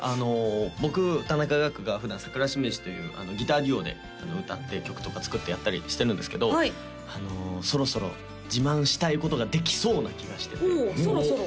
僕田中雅功が普段さくらしめじというギターデュオで歌って曲とか作ってやったりしてるんですけどそろそろ自慢したいことができそうな気がしててほうそろそろ？